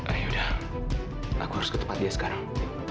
ya udah aku harus ke tempat dia sekarang